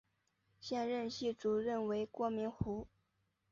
现任系主任为郭明湖。